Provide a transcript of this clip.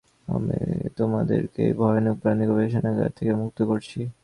আমি তোমাদেরকে এই ভয়ানক প্রাণী গবেষণাগার থেকে মুক্ত করছি।